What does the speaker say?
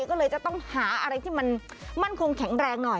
ก็เลยจะต้องหาอะไรที่มันมั่นคงแข็งแรงหน่อย